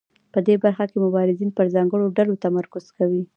په دې برخه کې مبارزین پر ځانګړو ډلو تمرکز کوي.